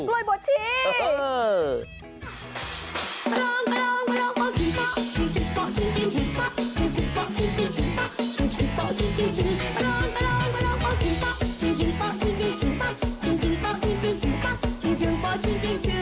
แข่งทำกล้วยบวชชี